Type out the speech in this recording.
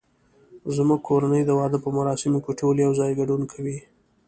زمونږ کورنۍ د واده په مراسمو کې ټول یو ځای ګډون کوي